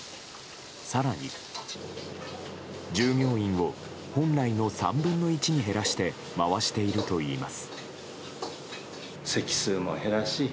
更に、従業員を本来の３分の１に減らして回しているといいます。